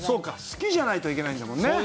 好きじゃないといけないんだもんね。